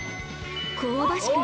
香ばしく